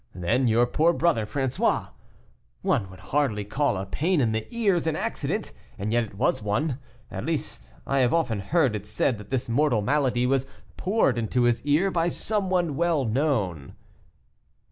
Then your poor brother, François, one would hardly call a pain in the ears an accident, and yet it was one; at least, I have often heard it said that this mortal malady was poured into his ear by some one well known."